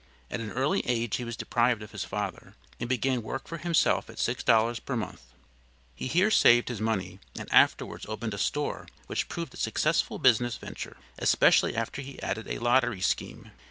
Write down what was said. At an early age he was deprived of his father, and began work for himself at six dollars per month. He here saved his money, and afterwards opened a store which proved a successful business venture, especially after he added a lottery scheme.